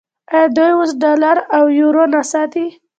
آیا دوی اوس ډالر او یورو نه ساتي؟